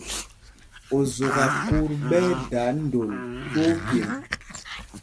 Ozɔkákût ɓɛ́ ɛ́ dā ndôl twóó pyêmb.